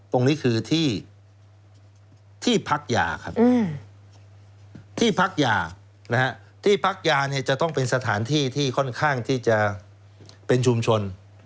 ตรงนี้คือที่พักยาครับที่พักยาที่พักยาเนี่ยจะต้องเป็นสถานที่ที่ค่อนข้างที่จะเป็นชุมชน